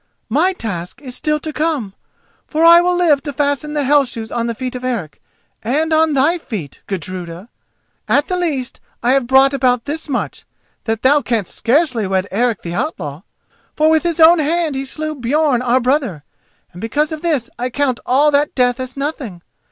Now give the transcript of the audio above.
My task is still to come: for I will live to fasten the Hell shoes on the feet of Eric, and on thy feet, Gudruda! At the least, I have brought about this much, that thou canst scarcely wed Eric the outlaw: for with his own hand he slew Björn our brother, and because of this I count all that death as nothing.